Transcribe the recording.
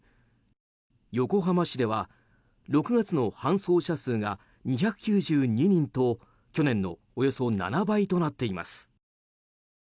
横浜市では６月の搬送者数が２９２人と去年のおよそ７倍となっています。